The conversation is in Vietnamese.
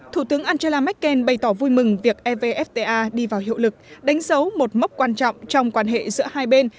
thủ tướng angela merkel bày tỏ vui mừng việc evfta đi vào hiệu lực đánh dấu một mốc quan trọng trong quan hệ giữa hai bên